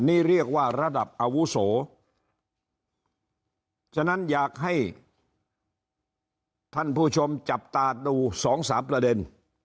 นี่เรียกว่าระดับอาวุโสฉะนั้นอยากให้ท่านผู้ชมจับตาดูสองสามประเด็น